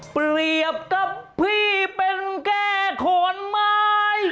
เปรียบกับพี่เป็นแก้ขอนไม้